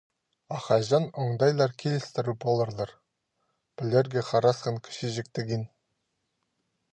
А хаҷан оңдайлар килістіре поларлар? – пілерге харасхан Кічиҷек тегин.